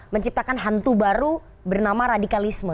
menciptakan hantu baru bernama radikalisme